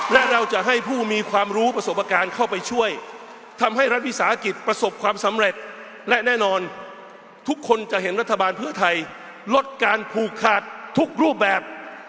และเราจะให้ผู้มีความรู้ประสบการณ์เข้าไปช่วยทำให้รัฐวิสาหกิจประสบความสำเร็จและแน่นอนทุกคนจะเห็นรัฐบาลเพื่อไทยลดการผูกขาดทุกรูปแบบ